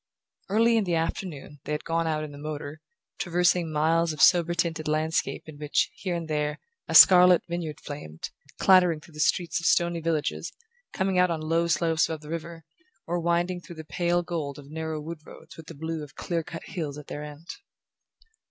Early in the afternoon they had gone out in the motor, traversing miles of sober tinted landscape in which, here and there, a scarlet vineyard flamed, clattering through the streets of stony villages, coming out on low slopes above the river, or winding through the pale gold of narrow wood roads with the blue of clear cut hills at their end.